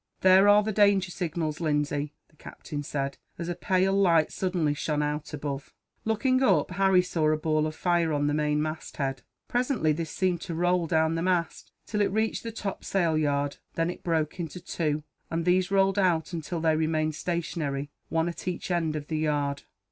"There are the danger signals, Lindsay," the captain said, as a pale light suddenly shone out above. Looking up, Harry saw a ball of fire on the main mast head. Presently, this seemed to roll down the mast, till it reached the top sail yard; then it broke into two, and these rolled out until they remained stationary, one at each end of the yard.